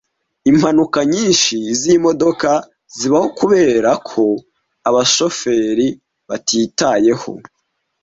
Impanuka nyinshi zimodoka zibaho kubera ko abashoferi batitayeho.